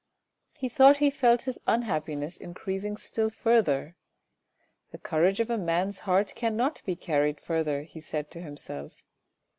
He thought he felt his un happiness increasing still further. " The courage of a man's heart cannot be carried further," he said to himself.